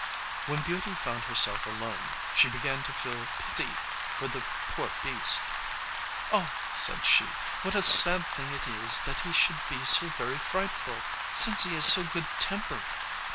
When Beauty found herself alone she began to feel pity for the poor beast. "Oh!" said she, "what a sad thing it is that he should be so very frightful, since he is so good tempered!"